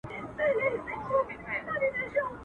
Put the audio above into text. o اوباز يم، خو بې گودره نه گډېږم.